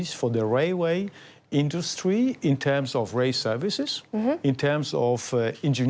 ใช่นี่คือคำถามอินเตอร์สินภาพ